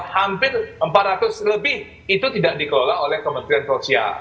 hampir empat ratus lebih itu tidak dikelola oleh kementerian sosial